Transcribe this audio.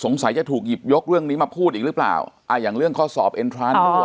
จะถูกหยิบยกเรื่องนี้มาพูดอีกหรือเปล่าอ่าอย่างเรื่องข้อสอบเอ็นทราน